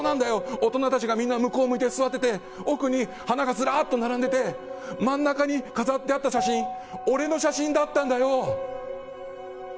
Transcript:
大人たちが向こう見て座ってて奥に花がずらっと並んでて真ん中に飾ってあった写真俺の写真だったんだよ。